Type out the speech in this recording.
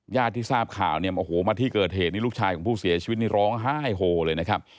ญาติที่ทราบข่าวมาที่เกิดเหตุลูกชายของผู้เสียชีวิตร้องไห้โฮเลยนะครับ